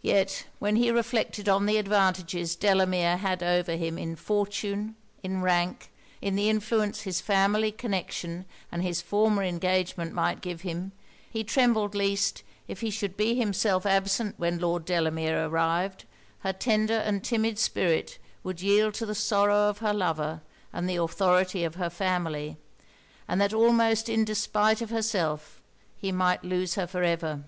Yet when he reflected on the advantages Delamere had over him in fortune, in rank, in the influence his family connection and his former engagement might give him, he trembled least, if he should be himself absent when Lord Delamere arrived, her tender and timid spirit would yield to the sorrow of her lover and the authority of her family; and that almost in despite of herself, he might lose her for ever.